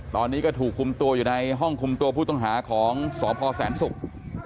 ตอนนี้ก็ถูกคุมตัวอยู่ในห้องคุมตัวผู้ต้องหาของสพแสนศุกร์